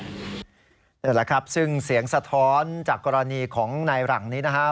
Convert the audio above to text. นี่แหละครับซึ่งเสียงสะท้อนจากกรณีของนายหลังนี้นะฮะ